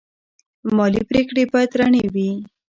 مالي پریکړې باید رڼې وي.